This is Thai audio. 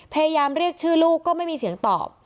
พยายามเรียกชื่อลูกก็ไม่มีเสียงตอบ